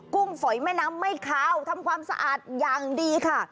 ุ้งฝอยแม่น้ำไม่คาวทำความสะอาดอย่างดีค่ะ